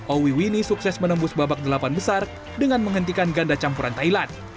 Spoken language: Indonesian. owi winnie sukses menembus babak delapan besar dengan menghentikan ganda campuran thailand